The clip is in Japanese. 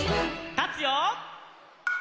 たつよ！